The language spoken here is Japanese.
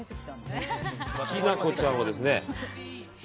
きな粉ちゃんはですね。